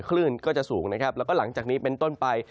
คลื่นก็จะสูงนะครับแล้วก็หลังจากนี้เป็นต้นไป